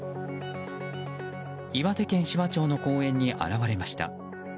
岩手県紫波町の公園に現れました。